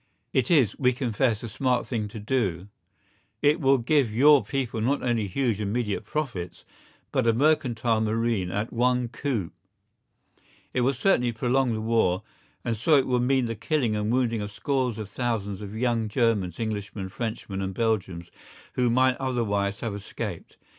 It is, we confess, a smart thing to do; it will give your people not only huge immediate profits but a mercantile marine at one coup; it will certainly prolong the war, and so it will mean the killing and wounding of scores of thousands of young Germans, Englishmen, Frenchmen, and Belgians, who might otherwise have escaped.